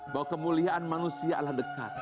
bahwa kemuliaan manusia adalah dekat